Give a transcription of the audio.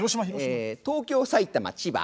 東京埼玉千葉